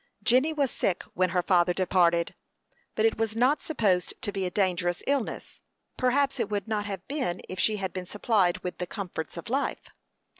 Jenny was sick when her father departed, but it was not supposed to be a dangerous illness; perhaps it would not have been if she had been supplied with the comforts of life.